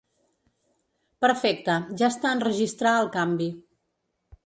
Perfecte, ja està enregistrar el canvi.